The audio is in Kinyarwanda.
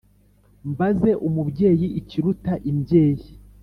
mbaze umubyeyi ikiruta imbyeyi